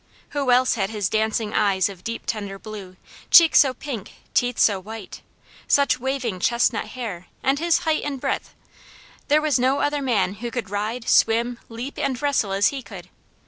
Who else had his dancing eyes of deep tender blue, cheeks so pink, teeth so white, such waving chestnut hair, and his height and breadth? There was no other man who could ride, swim, leap, and wrestle as he could.